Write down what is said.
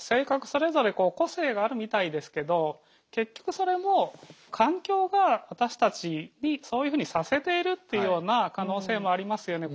それぞれ個性があるみたいですけど結局それも環境が私たちにそういうふうにさせているというような可能性もありますよね。